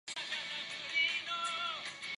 マーメイドラプソディ